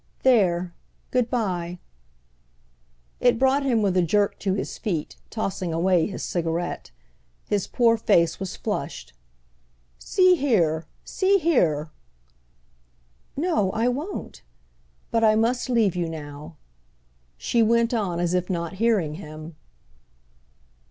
"There. Good bye." It brought him with a jerk to his feet, tossing away his cigarette. His poor face was flushed. "See here—see here!" "No, I won't; but I must leave you now," she went on as if not hearing him.